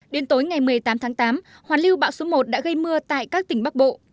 đến tối ngày một mươi tám tháng tám hoàn lưu bão số một đã gây mưa tại các tỉnh bắc bộ